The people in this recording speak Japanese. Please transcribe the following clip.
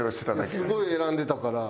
すごい選んでたから。